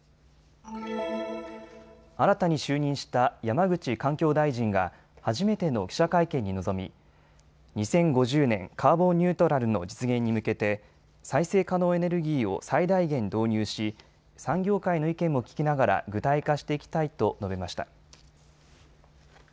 新たに就任した山口環境大臣が初めての記者会見に臨み、２０５０年カーボンニュートラルの実現に向けて再生可能エネルギーを最大限導入し産業界の意見も聴きながら具体化していきたいと述べました。